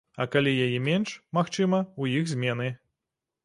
А калі яе менш, магчыма, у іх змены.